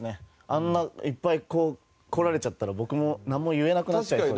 あんないっぱいこうこられちゃったら僕もなんも言えなくなっちゃいそうです。